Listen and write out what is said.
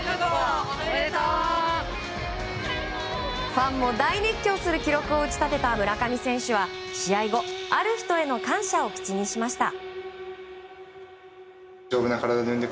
ファンも大熱狂する記録を打ち立てた村上選手は試合後ある人への感謝を口にしました。